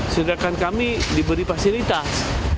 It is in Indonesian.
sedangkan kami diberi fasilitas